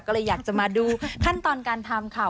ก็เลยอยากจะมาดูขั้นตอนการทำค่ะ